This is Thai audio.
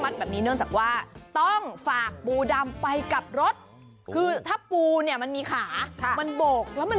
คือเค้าต้องมัดนิ้วมัดขามันให้มันเดิน